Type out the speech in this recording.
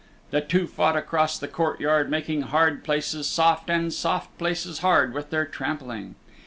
The two fought across the courtyard making hard places soft and soft places hard with their trampling.